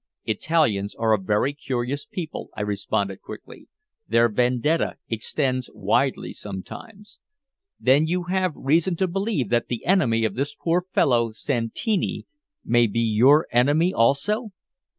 "Italians are a very curious people," I responded quickly. "Their vendetta extends widely sometimes." "Then you have reason to believe that the enemy of this poor fellow Santini may be your enemy also?"